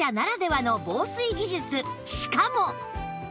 しかも！